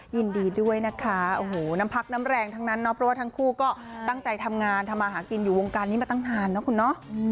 ยินดีด้วยนะคะโอ้โหน้ำพักน้ำแรงทั้งนั้นเนาะเพราะว่าทั้งคู่ก็ตั้งใจทำงานทำอาหารกินอยู่วงการนี้มาตั้งนานนะคุณเนาะ